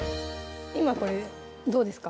今これどうですか？